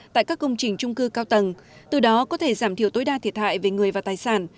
tại các công trình trung cư cao tầng từ đó có thể giảm thiểu tối đa thiệt hại về người và tài sản